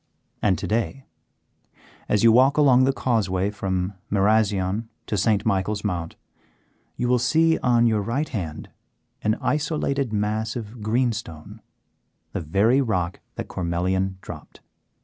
And to day, as you walk along the causeway from Marazion to St. Michael's Mount, you will see on your right hand an isolated mass of greenstone, the very rock that Cormelian dropped.